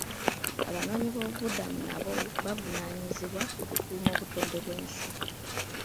Abanoonyiboobubudamu nabo bavunaanyizibwa ku kukuuma obutonde bw'ensi.